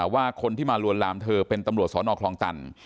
ว่าคนที่มาลวนลามเธอเป็นตำรวจสอนอคลองตัน